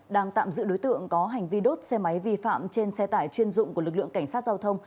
đang tạm giữ đối tượng có hành vi đốt xe máy vi phạm trên xe tải chuyên dụng của lực lượng cảnh sát giao thông